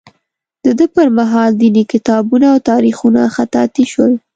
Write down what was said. د ده پر مهال دیني کتابونه او تاریخونه خطاطي شول.